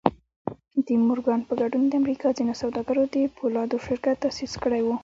د مورګان په ګډون د امريکا ځينو سوداګرو د پولادو شرکت تاسيس کړی و.